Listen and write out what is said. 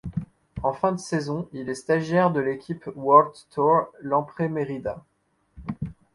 En fin de saison, il est stagiaire de l'équipe World Tour Lampre-Merida.